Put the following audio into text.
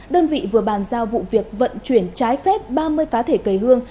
đơn vị vừa bàn giao vụ việc vận chuyển trái phép ba mươi cá thể cây hương